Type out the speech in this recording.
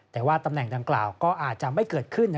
แต่ว่าตำแหน่งดังกล่าวก็อาจจะไม่เกิดขึ้น